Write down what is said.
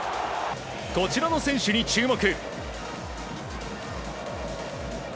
こちらの選手に注目。